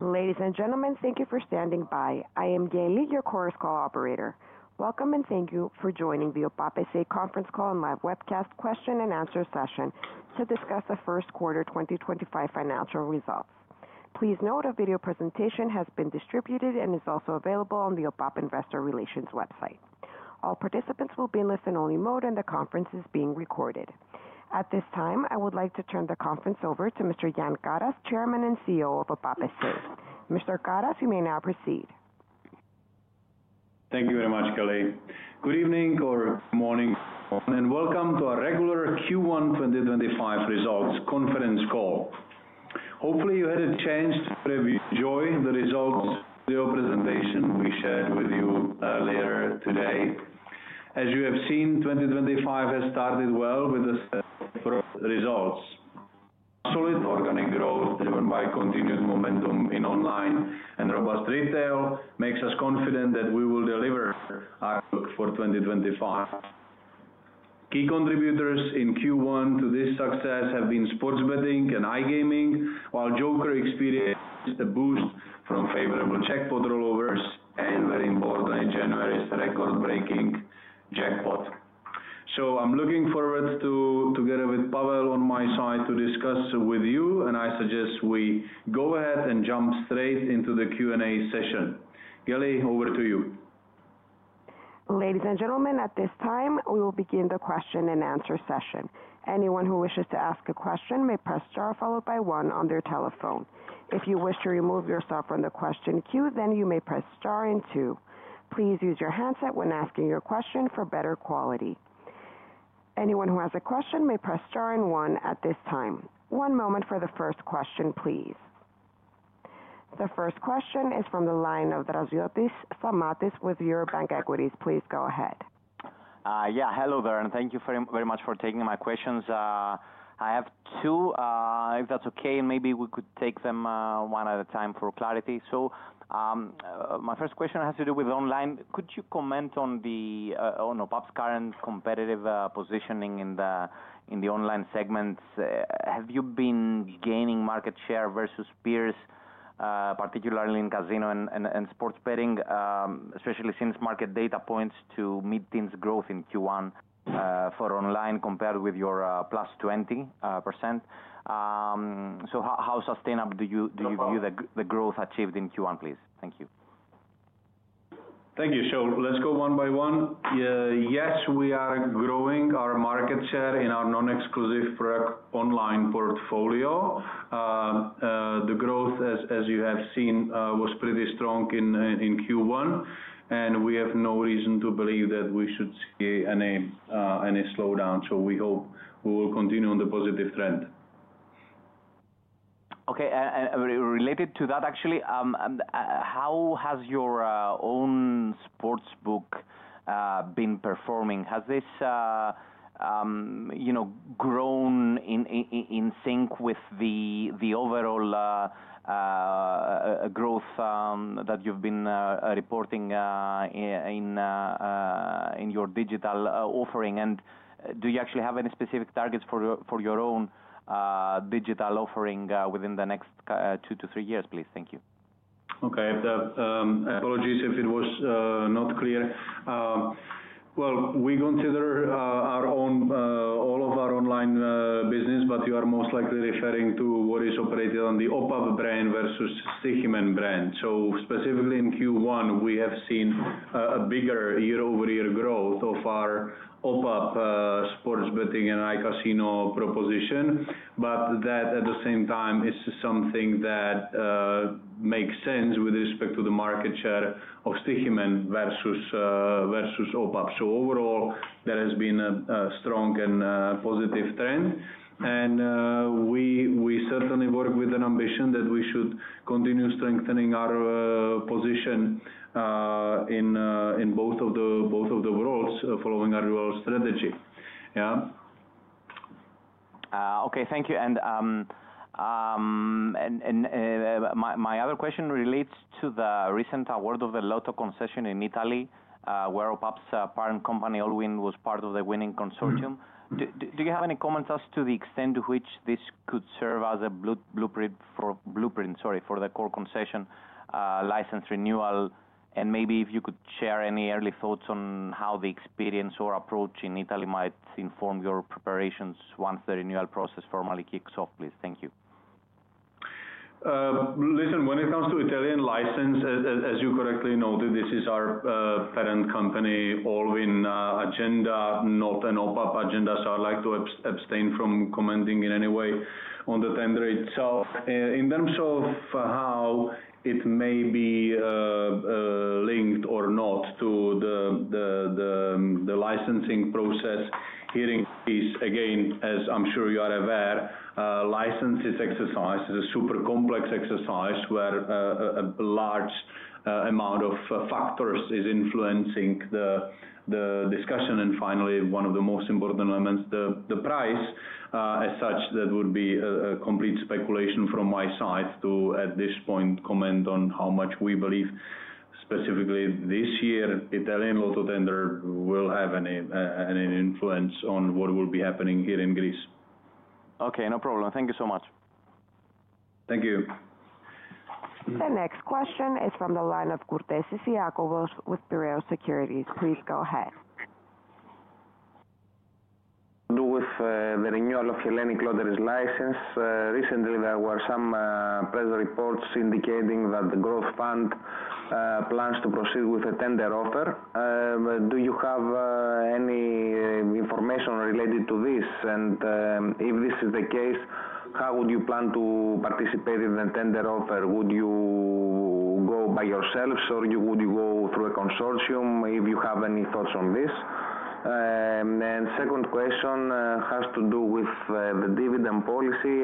Ladies and gentlemen, thank you for standing by. I am [Kelly], your Chorus Call Operator. Welcome, and thank you for Joining the OPAP SA Conference Call and Live Webcast Question-and-Answer Session to Discuss the First Quarter 2025 Financial Results. Please note, a video presentation has been distributed and is also available on the OPAP Investor Relations website. All participants will be in listen-only mode, and the conference is being recorded. At this time, I would like to turn the conference over to Mr. Jan Karas, Chairman and CEO of OPAP SA Mr. Karas, you may now proceed. Thank you very much, Kelly. Good evening or good morning, and welcome to our Regular Q1 2025 Results Conference Call. Hopefully, you had a chance to enjoy the results of the presentation we shared with you earlier today. As you have seen, 2025 has started well with the results. Solid organic growth driven by continued momentum in online and robust retail makes us confident that we will deliver our look for 2025. Key contributors in Q1 to this success have been sports betting and iGaming, while TZOKER experienced a boost from favorable jackpot rollovers and very importantly, January's record-breaking jackpot. I am looking forward, together with Pavel on my side, to discuss with you. I suggest we go ahead and jump straight into the Q&A session. Kelly, over to you. Ladies and gentlemen, at this time, we will begin the question-and-answer session. Anyone who wishes to ask a question may press star, followed by one on their telephone. If you wish to remove yourself from the question queue, then you may press star and two. Please use your handset when asking your question for better quality. Anyone who has a question may press star and one at this time. One moment for the first question, please. The first question is from the line of Draziotis Stamatios with Eurobank Equities. Please go ahead. Yeah. Hello there, and thank you very much for taking my questions. I have two, if that's okay, and maybe we could take them one at a time for clarity. My first question has to do with online. Could you comment on OPAP's current competitive positioning in the online segments? Have you been gaining market share versus peers, particularly in casino and sports betting, especially since market data points to mid-teens growth in Q1 for online compared with your plus 20%? How sustainable do you view the growth achieved in Q1, please? Thank you. Thank you. Let's go one by one. Yes, we are growing our market share in our non-exclusive product online portfolio. The growth, as you have seen, was pretty strong in Q1, and we have no reason to believe that we should see any slowdown. We hope we will continue on the positive trend. Okay, and related to that, actually how has your own sportsbook been performing? Has this grown in sync with the overall growth that you've been reporting in your digital offering? Do you actually have any specific targets for your own digital offering within the next two to three years, please? Thank you. Okay, apologies if it was not clear. We consider all of our online business, but you are most likely referring to what is operated on the OPAP brand versus Stoiximan brand. Specifically in Q1, we have seen a bigger year-over-year growth of our OPAP sports betting and iCasino proposition, but that at the same time is something that makes sense with respect to the market share of Stoiximan versus OPAP. Overall, there has been a strong and positive trend, and we certainly work with an ambition that we should continue strengthening our position in both of the worlds following our dual strategy. Yeah. Okay, thank you. My other question relates to the recent award of the Lotto concession in Italy, where OPAP's parent company, Allwyn was part of the winning consortium. Do you have any comments as to the extent to which this could serve as a blueprint for the core concession license renewal? Maybe if you could share any early thoughts on how the experience or approach in Italy might inform your preparations, once the renewal process formally kicks off, please. Thank you. Listen, when it comes to Italian license, as you correctly noted, this is our parent company, Allwyn agenda, not an OPAP agenda, so I'd like to abstain from commenting in any way on the tender itself. In terms of how it may be linked or not to the licensing process here in Greece, again, as I'm sure you are aware, license exercise is a super complex exercise where a large amount of factors is influencing the discussion. Finally, one of the most important elements, the price as such, that would be a complete speculation from my side to, at this point, comment on how much we believe specifically this year, Italian Lotto tender will have any influence on what will be happening here in Greece. Okay, no problem. Thank you so much. Thank you. The next question is from the line of Kourtesis Lakovos with Piraeus Securities. Please go ahead. do with the renewal of Hellenic Lotteries license. Recently, there were some press reports indicating that the GrowthFund plans to proceed with a tender offer. Do you have any information related to this? If this is the case, how would you plan to participate in the tender offer? Would you go by yourselves, or would you go through a consortium? If you have any thoughts on this. The second question has to do with the dividend policy.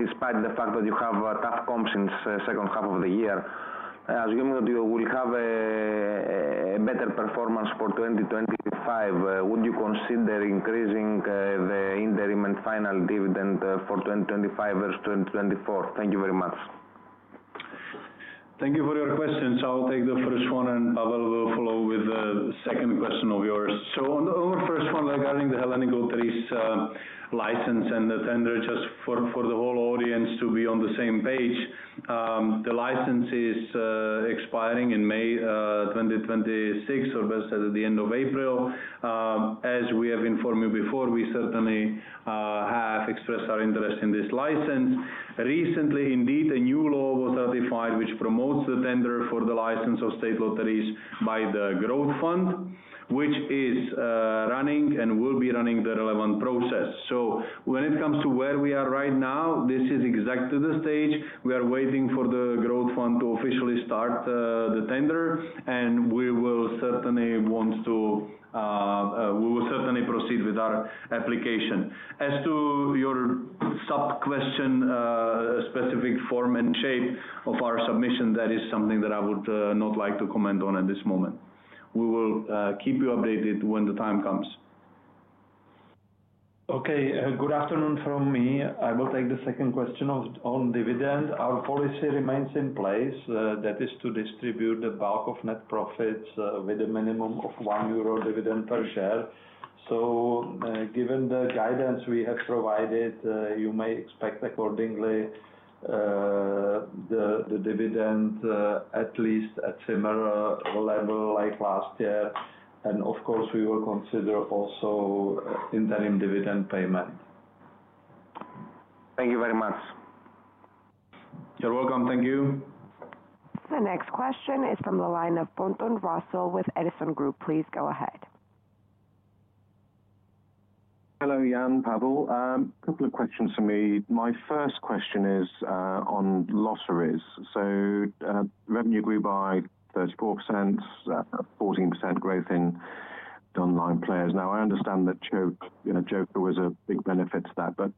Despite the fact that you have tough comps since the second half of the year, assuming that you will have a better performance for 2025, would you consider increasing the interim and final dividend for 2025 versus 2024? Thank you very much. Thank you for your questions. I'll take the first one, and Pavel will follow with the second question of yours. Our first one regarding the Hellenic Lotteries license and the tender, just for the whole audience to be on the same page, the license is expiring in May 2026, or best said at the end of April. As we have informed you before, we certainly have expressed our interest in this license. Recently, indeed a new law was ratified, which promotes the tender for the license of state lotteries by the GrowthFund, which is running and will be running the relevant process. When it comes to where we are right now, this is exactly the stage. We are waiting for the GrowthFund to officially start the tender, and we will certainly proceed with our application. As to your sub-question, specific form and shape of our submission, that is something that I would not like to comment on at this moment. We will keep you updated when the time comes. Okay, good afternoon from me. I will take the second question on dividend. Our policy remains in place, that is to distribute the bulk of net profits with a minimum of 1 euro dividend per share. Given the guidance we have provided, you may expect accordingly, the dividend at least at similar level like last year. Of course, we will consider also interim dividend payment. Thank you very much. You're welcome. Thank you. The next question is from the line of Pointon Russell with Edison Group. Please go ahead. Hello, Jan, Pavel. A couple of questions from me. My first question is on lotteries. Revenue grew by 34%, 14% growth in online players. Now, I understand that TZOKER was a big benefit to that, but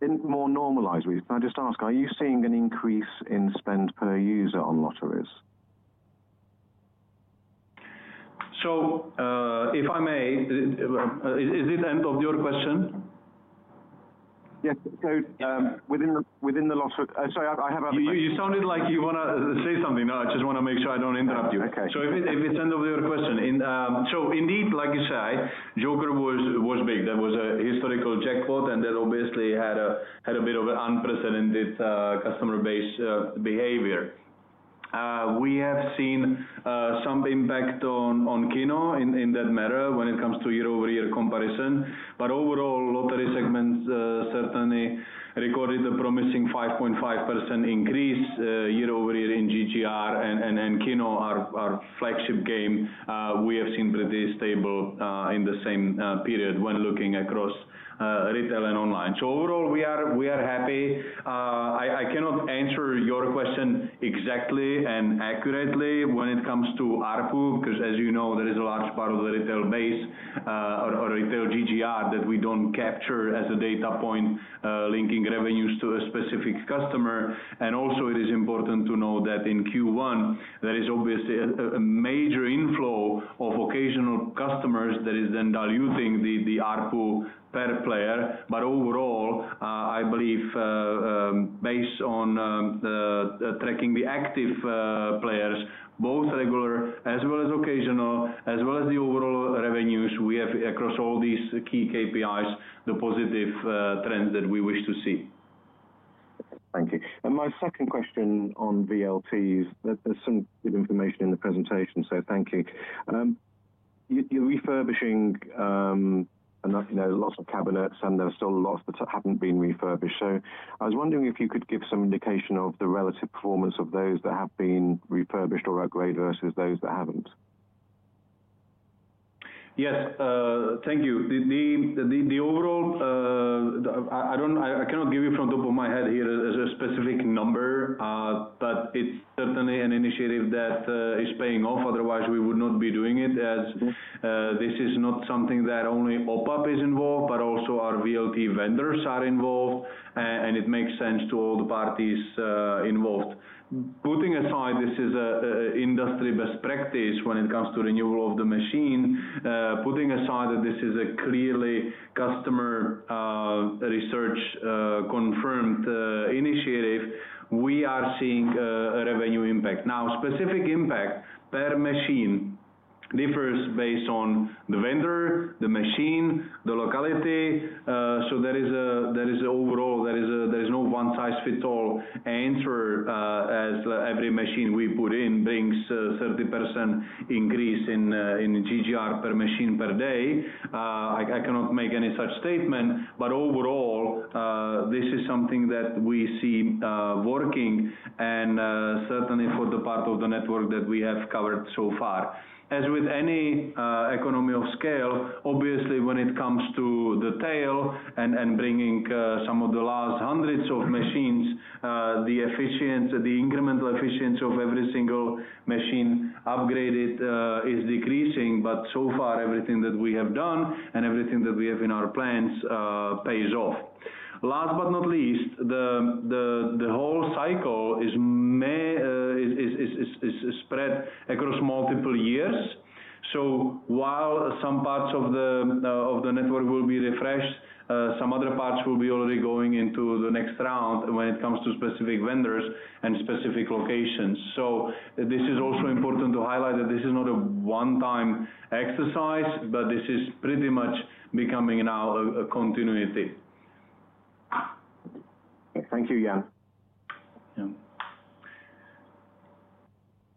in more normalized ways, can I just ask, are you seeing an increase in spend per user on lotteries? If I may, is it the end of your question? Yes, so within the lottery. Sorry, I have a, You sounded like you want to say something. No, I just want to make sure I don't interrupt you. Okay. If it's the end of your question, indeed, like you say, TZOKER was big. That was a historical jackpot, and that obviously had a bit of an unprecedented customer base behavior. We have seen some impact on Kino in that matter, when it comes to year-over-year comparison. Overall, lottery segments certainly recorded a promising 5.5% increase year-over-year in GGR and Kino, our flagship game, we have seen pretty stable in the same period when looking across retail and online. Overall, we are happy. I cannot answer your question exactly and accurately when it comes to ARPU, because as you know, there is a large part of the retail base or retail GGR that we do not capture as a data point linking revenues to a specific customer. Also, it is important to know that in Q1, there is obviously a major inflow of occasional customers that is then diluting the ARPU per player. Overall, I believe based on tracking the active players, both regular as well as occasional, as well as the overall revenues, we have across all these key KPIs the positive trends that we wish to see. Thank you. My second question on VLTs, there is some good information in the presentation, so thank you. You are refurbishing lots of cabinets, and there are still lots that have not been refurbished. I was wondering if you could give some indication of the relative performance of those that have been refurbished or upgraded versus those that have not. Yes, thank you. Overall, I cannot give you from the top of my head here a specific number, but it is certainly an initiative that is paying off. Otherwise, we would not be doing it, as this is not something that only OPAP is involved in, but also our VLT vendors are involved and it makes sense to all the parties involved. Putting aside this is an industry best practice when it comes to renewal of the machine, putting aside that this is a clearly customer research-confirmed initiative, we are seeing a revenue impact. Now, specific impact per machine differs based on the vendor, the machine, the locality. Overall, there is no one-size-fits-all answer, as every machine we put in brings a 30% increase in GGR per machine per day. I cannot make any such statement, but overall, this is something that we see working and certainly for the part of the network that we have covered so far. As with any economy of scale, obviously when it comes to the tail and bringing some of the last hundreds of machines, the incremental efficiency of every single machine upgraded is decreasing, but so far everything that we have done and everything that we have in our plans pays off. Last but not least, the whole cycle is spread across multiple years. While some parts of the network will be refreshed, some other parts will be already going into the next round when it comes to specific vendors and specific locations. This is also important to highlight that this is not a one-time exercise, but this is pretty much becoming now a continuity. Thank you, Jan.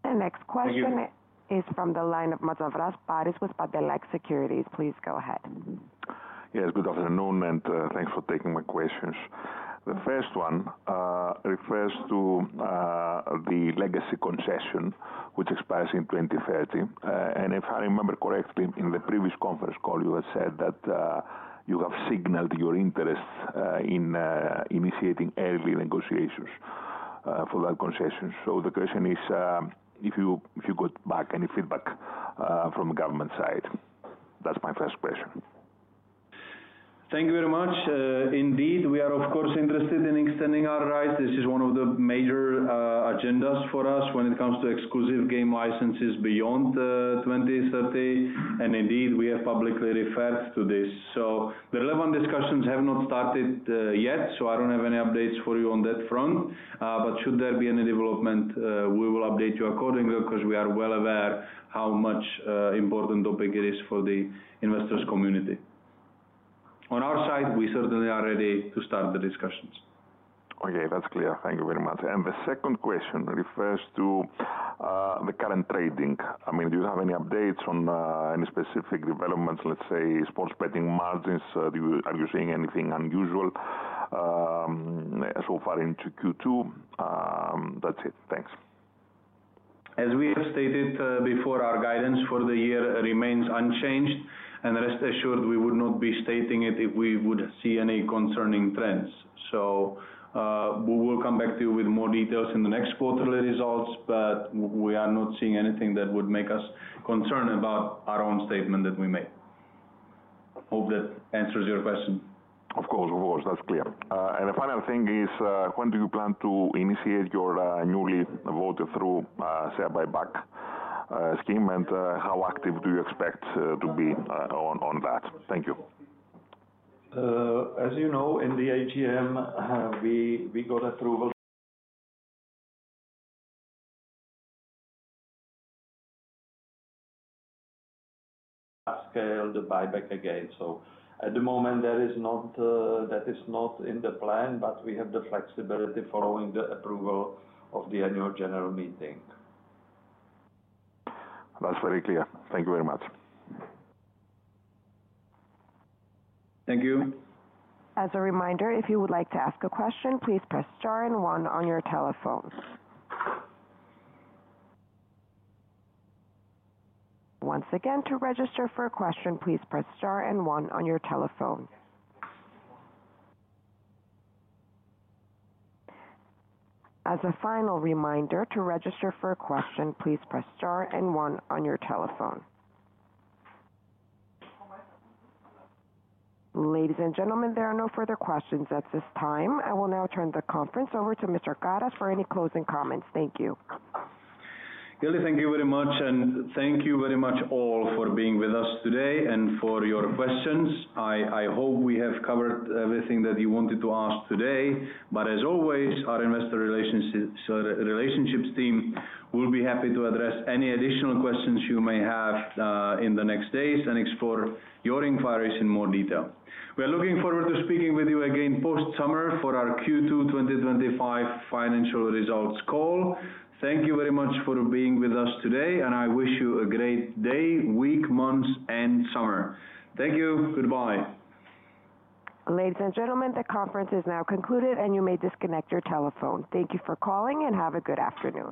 The next question is from the line of [Mazhavaras Paris with Patel Like Securities]. Please go ahead. Yes. Good afternoon, and thanks for taking my questions. The first one refers to the legacy concession, which expires in 2030. If I remember correctly, in the previous conference call, you had said that you have signaled your interest in initiating early negotiations for that concession. The question is, if you got back, any feedback from the government side? That's my first question. Thank you very much. Indeed, we are of course interested in extending our rights. This is one of the major agendas for us when it comes to exclusive game licenses beyond 2030. Indeed, we have publicly referred to this. The relevant discussions have not started yet, so I do not have any updates for you on that front. Should there be any development, we will update you accordingly because we are well aware how much important topic it is for the investors' community. On our side, we certainly are ready to start the discussions. Okay, that's clear. Thank you very much. The second question refers to the current trading. I mean, do you have any updates on any specific developments, let's say sports betting margins? Are you seeing anything unusual so far into Q2? That's it. Thanks. As we have stated before, our guidance for the year remains unchanged, and rest assured we would not be stating it if we would see any concerning trends. We will come back to you with more details in the next quarterly results, but we are not seeing anything that would make us concerned about our own statement that we made. Hope that answers your question. Of course, that's clear. The final thing is, when do you plan to initiate your newly voted-through share buyback scheme, and how active do you expect to be on that? Thank you. As you know, in the AGM, we got approval to scale the buyback again. At the moment, that is not in the plan, but we have the flexibility following the approval of the annual general meeting. That's very clear. Thank you very much. Thank you. As a reminder, if you would like to ask a question, please press star and one on your telephone. Once again, to register for a question, please press star and one on your telephone. As a final reminder, to register for a question, please press star and one on your telephone. Ladies and gentlemen, there are no further questions at this time. I will now turn the conference over to Mr. Karas for any closing comments. Thank you. Kelly, thank you very much. Thank you very much all for being with us today and for your questions. I hope we have covered everything that you wanted to ask today, but as always, our investor relationships team will be happy to address any additional questions you may have in the next days, and explore your inquiries in more detail. We are looking forward to speaking with you again post-summer for our Q2 2025 financial results call. Thank you very much for being with us today, and I wish you a great day, week, month, and summer. Thank you. Goodbye. Ladies and gentlemen, the conference is now concluded, and you may disconnect your telephone. Thank you for calling, and have a good afternoon.